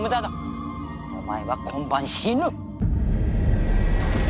お前は今晩死ぬ！